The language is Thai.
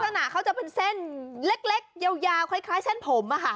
ลักษณะเขาจะเป็นเส้นเล็กยาวคล้ายเส้นผม